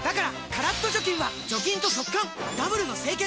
カラッと除菌は除菌と速乾ダブルの清潔！